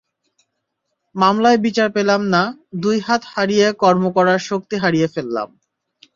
মামলায় বিচার পেলাম না, দুই হাত হারিয়ে কর্ম করার শক্তি হারিয়ে ফেললাম।